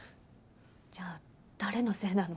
じゃあ誰のせいなの？